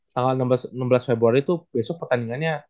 tanggal enam belas februari itu besok pertandingannya